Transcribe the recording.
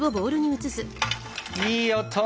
いい音。